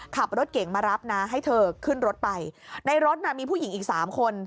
ขับรถเก่งมารับนะให้เธอขึ้นรถไปในรถน่ะมีผู้หญิงอีกสามคน